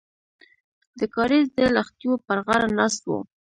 د کاریز د لښتیو پر غاړه ناست وو.